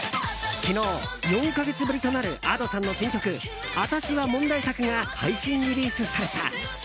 昨日、４か月ぶりとなるＡｄｏさんの新曲「アタシは問題作」が配信リリースされた。